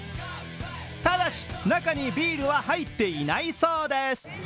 ただし、中にビールは入っていないそうです。